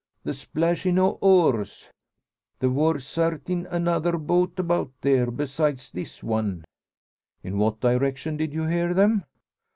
"The plashing o' oars. There wor sartin another boat about there, besides this one." "In what direction did you hear them?"